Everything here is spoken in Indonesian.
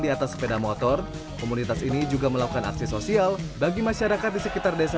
di atas sepeda motor komunitas ini juga melakukan aksi sosial bagi masyarakat di sekitar desa